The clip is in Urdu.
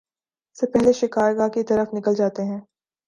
سے پہلے شکار گاہ کی طرف نکل جاتے ہیں